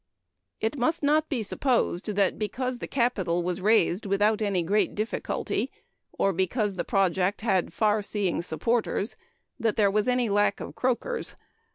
It must not be supposed that because the capital was raised without great difficulty, and because the project had far seeing supporters, that there was any lack of "croakers."